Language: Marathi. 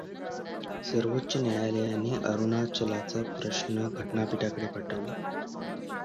सर्वोच्च न्यायालयाने अरुणाचलचा प्रश्न घटनापीठाकडे पाठवला.